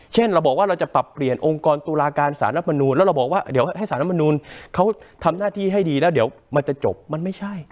เช่นเราบอกว่าเราจะปรับเปลี่ยนองค์กรตุลาการสารรัฐมนูลแล้วเราบอกว่าเดี๋ยวให้สารรัฐมนูลเขาทำหน้าที่ให้ดีแล้วเดี๋ยวมันจะจบมันไม่ใช่